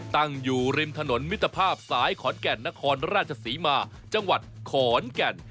ตั้งอยู่ริมถนนมิตรภาพสายขอนแก่นนครราชศรีมาจังหวัดขอนแก่น